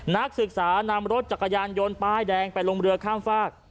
นักศึกษานำรถจักรยานยนต์ป้ายแดงไปลงเรือข้ามฝาก